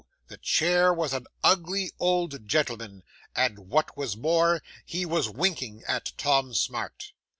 The chair was an ugly old gentleman; and what was more, he was winking at Tom Smart.